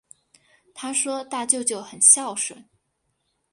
她说大舅舅很孝顺